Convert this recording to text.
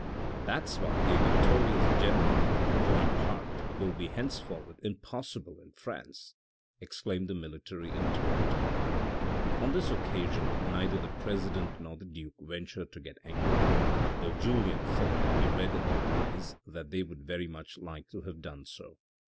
"That's why a victorious general, a Buonaparte, will be henceforward impossible in France," exclaimed the military interrupter. On this occasion neither the president nor the duke ventured to get angry, though Julien thought he read in their eyes that they would very much like to have done so.